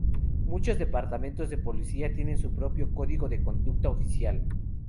Muchos departamentos de policía tienen su propio código de conducta oficial.